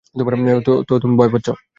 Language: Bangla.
তো তুমি ভয় পাচ্ছ?